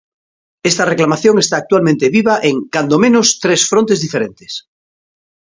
Esta reclamación está actualmente viva en, cando menos, tres frontes diferentes.